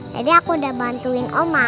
aku udah bantuin oma